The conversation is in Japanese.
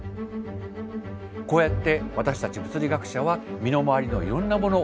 こうやって私たち物理学者は身の回りのいろんなもの